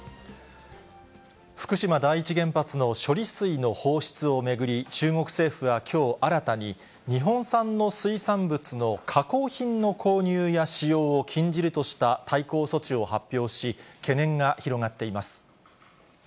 福島第一原発の処理水の放出を巡り、中国政府はきょう新たに、日本産の水産物の加工品の購入や使用を禁じるとした対抗措置を発表し、懸念が広がっています。